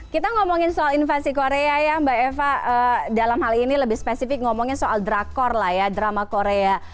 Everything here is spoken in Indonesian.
kita ngomongin soal invasi korea ya mbak eva dalam hal ini lebih spesifik ngomongin soal drakor lah ya drama korea